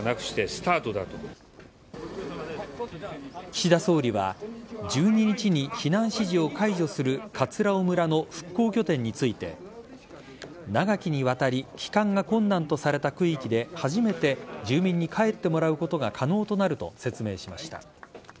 岸田総理は１２日に避難指示を解除する葛尾村の復興拠点について長きにわたり帰還が困難とされた区域で初めて住民に帰ってもらうことが可能となると説明しました。